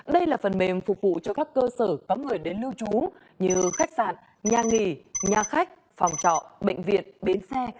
đây là phần mềm phục vụ cho các cơ sở có người đến lưu trú như khách sạn nhà nghỉ nhà khách phòng trọ bệnh viện bến xe